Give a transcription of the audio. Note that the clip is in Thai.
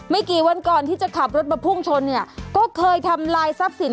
กี่วันก่อนที่จะขับรถมาพุ่งชนเนี่ยก็เคยทำลายทรัพย์สิน